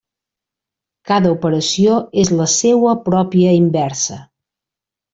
Cada operació és la seua pròpia inversa.